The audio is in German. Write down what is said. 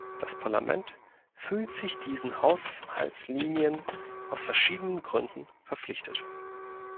Das Parlament fühlt sich diesen Haushaltslinien aus verschiedenen Gründen verpflichtet.